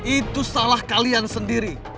itu salah kalian sendiri